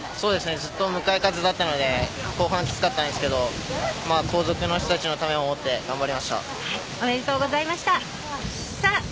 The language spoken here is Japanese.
ずっと向かい風だったので後半きつかったんですけど後続の人のためを思って頑張りました。